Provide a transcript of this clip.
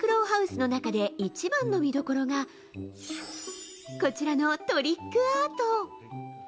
巣の中で一番見どころが、こちらのトリックアート。